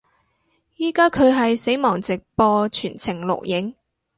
依家佢係死亡直播全程錄影